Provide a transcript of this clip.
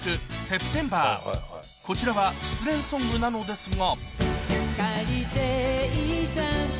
こちらは失恋ソングなのですが